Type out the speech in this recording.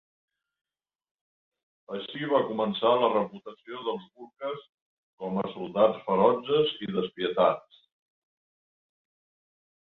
Així va començar la reputació dels Gurkhas com a soldats ferotges i despietats.